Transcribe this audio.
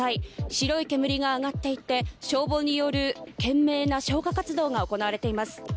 白い煙が上がっていて消防による懸命な消火活動が行われています。